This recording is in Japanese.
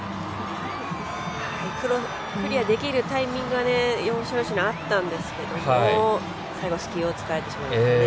クリアできるタイミングは要所要所にあったんですけど最後隙を突かれてしまいましたね。